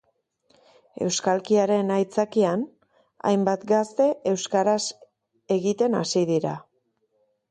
Euskalkiaren aitzakian, hainbat gazte euskaraz egiten hasi dira.